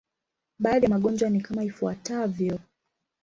Baadhi ya magonjwa ni kama ifuatavyo.